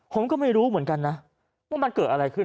ผมก็ไม่รู้เหมือนกันนะว่ามันเกิดอะไรขึ้น